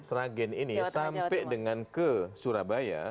sragen ini sampai dengan ke surabaya